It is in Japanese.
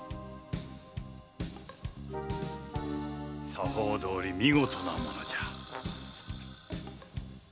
・作法どおり見事なものじゃ。